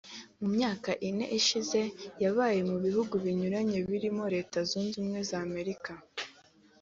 mu myaka ine ishize yabaye mu bihugu binyuranye birimo Leta Zunze Ubumwe za Amerika